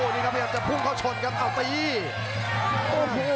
นี่ครับจะพุ่งเขาชนครับอสตานี